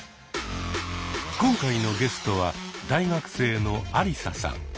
今回のゲストは大学生のアリサさん。